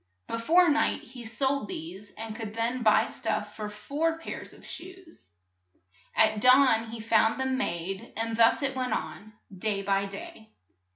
Be fore night he sold these, and could then buy stuff for four pairs of shoes. At dawn he found them made, and thus it went on, day by day.